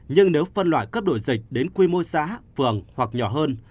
nhưng nếu phân loại cấp đổi dịch đến quy mô xã phường hoặc nhỏ hơn